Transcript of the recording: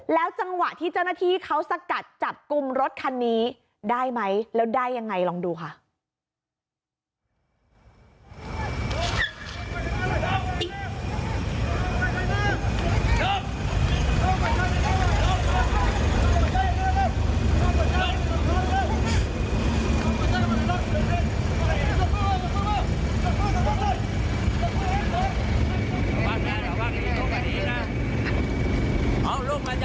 จังหวะที่เจ้าหน้าที่เขาสกัดจับกลุ่มรถคันนี้ได้ไหมแล้วได้ยังไงลองดูค่ะ